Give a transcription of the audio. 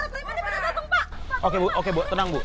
pak premadil datang pak